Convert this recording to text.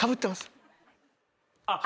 あっ。